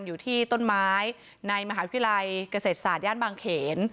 อยู่ที่ต้นไม้ในมหาวิทยาลัยเกษตรศาสตร์ย่านบางเขน